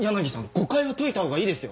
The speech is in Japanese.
誤解は解いたほうがいいですよ。